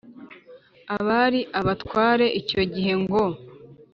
abari abatware icyo gihe ngo